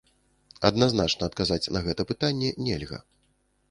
Адназначна адказаць на гэта пытанне нельга.